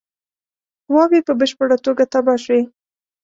قواوي په بشپړه توګه تباه شوې.